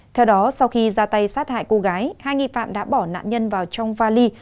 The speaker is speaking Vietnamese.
theo đó sau khi ra tay sát hại cô gái hai nghi phạm đã bỏ nạn nhân vào trong vali